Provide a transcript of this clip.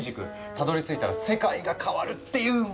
たどりついたら世界が変わるっていう。